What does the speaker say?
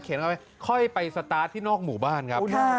ค่อยไปสตาร์ทที่นอกหมู่บ้านครับ